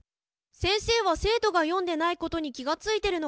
先生は生徒が読んでないことに気が付いてるのかな？